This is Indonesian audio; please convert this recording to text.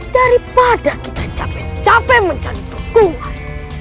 daripada kita capek capek mencari dukungan